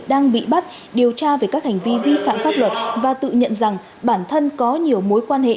đang bị bắt điều tra về các hành vi vi phạm pháp luật và tự nhận rằng bản thân có nhiều mối quan hệ